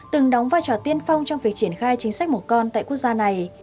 từng đóng vai trò tiên phong trong việc triển khai chính sách mổ con tại quốc gia này